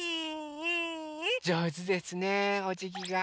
じょうずですねおじぎが。